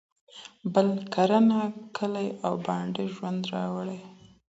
بل کرنه، کلي او بانډې ژوند راوړي.